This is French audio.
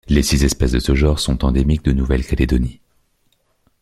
Les six espèces de ce genre sont endémiques de Nouvelle-Calédonie.